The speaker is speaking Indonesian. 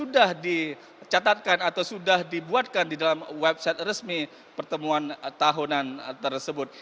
sudah dicatatkan atau sudah dibuatkan di dalam website resmi pertemuan tahunan tersebut